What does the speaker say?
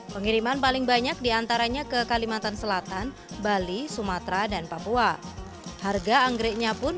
pengiriman paling banyak diantaranya ke kalimantan selatan bali sumatera dan papua harga anggreknya pun